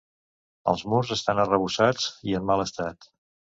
Els murs estan arrebossats i en mal estat.